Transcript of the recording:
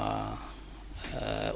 waktu akhirnya keluarga